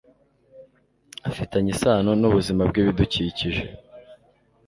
afitanye isano n ubuzima bw ibidukikije